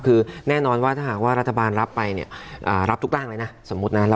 คือแน่นอนว่าถ้าหากว่ารัฐบาลรับไปเนี่ยรับทุกร่างเลยนะสมมุตินะ